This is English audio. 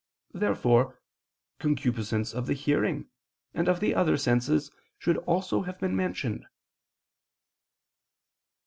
Therefore "concupiscence of the hearing" and of the other senses should also have been mentioned.